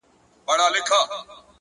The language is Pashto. مینه نړۍ ښکلا کوي!.